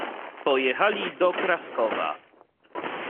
"Pojechali do Kraskowa."